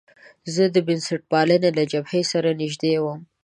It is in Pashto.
زه د بنسټپالنې له جبهې سره نژدې وم.